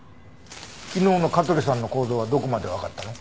昨日の香取さんの行動はどこまでわかったの？